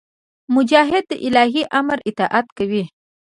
مجاهد د الهي امر اطاعت کوي.